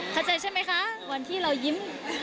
เข้าใจใช่ไหมคะวันที่เรายิ้ม